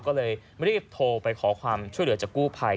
ก็เลยรีบโทรไปขอความช่วยเหลือจากกู้ภัย